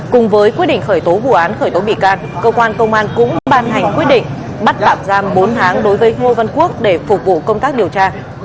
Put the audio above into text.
cùng với quyết định khởi tố vụ án khởi tố bị can cơ quan công an cũng ban hành quyết định bắt tạm giam bốn tháng đối với ngô văn quốc để phục vụ công tác điều tra